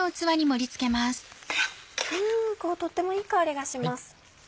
とってもいい香りがします。